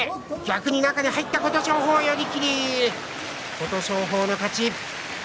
琴勝峰の勝ち。